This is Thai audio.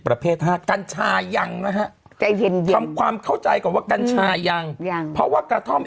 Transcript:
ประเภทห้ากัญชายังนะฮะใจเย็นยังทำความเข้าใจก่อนว่ากัญชายังยังเพราะว่ากระท่อม